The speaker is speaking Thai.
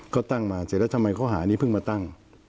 ก็ตั้งมาเสร็จแล้วทำไมข้อหานี้เพิ่งมาตั้ง